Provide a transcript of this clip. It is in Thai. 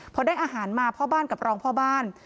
พอได้อาหารมาพ่อบ้านกับรองพ่อบ้าน